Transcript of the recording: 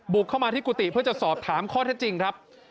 เข้ามาที่กุฏิเพื่อจะสอบถามข้อเท็จจริงครับ